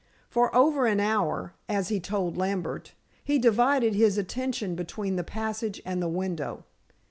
For over an hour as he told Lambert he divided his attention between the passage and the window.